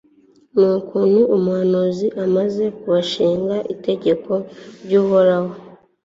n'ukuntu umuhanuzi, amaze kubashinga itegeko ry'uhoraho